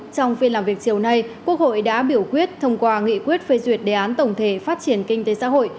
trong phiên làm việc chiều nay quốc hội đã biểu quyết thông qua nghị quyết phê duyệt đề án tổng thể phát triển kinh tế xã hội